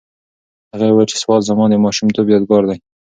هغې وویل چې سوات زما د ماشومتوب یادګار دی.